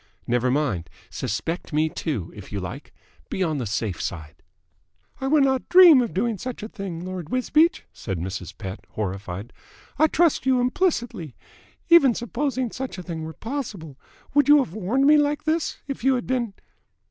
Never mind. Suspect me, too, if you like. Be on the safe side." "I would not dream of doing such a thing, Lord Wisbeach," said Mrs. Pett horrified. "I trust you implicitly. Even supposing such a thing were possible, would you have warned me like this, if you had been